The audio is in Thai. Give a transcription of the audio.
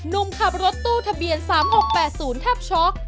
หนุ่มขับรถตู้ทะเบียน๓๖๘๐แทบช็อก